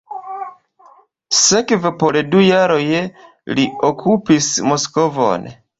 Sekve por du jaroj li okupis Moskvon.